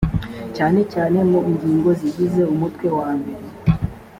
cyane cyane mu ngingo zigize umutwe wambere